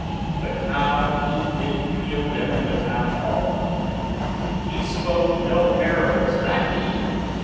But how he did peel them in the town hall: he spoke no parables, not he!